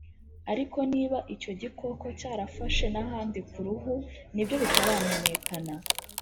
Ariko niba icyo gikoko cyarafashe n’ ahandi ku ruhu nibyo bitaramenyekana